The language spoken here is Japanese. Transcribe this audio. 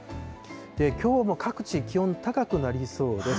きょうも各地、気温高くなりそうです。